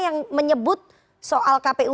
yang menyebut soal kpu